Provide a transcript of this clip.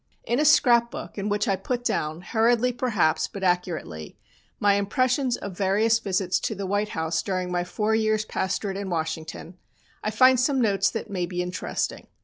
In a scrap book in which I put down, hurriedly, perhaps, but accurately, my impressions of various visits to the White House during my four years pastorate in Washington, I find some notes that may be interesting.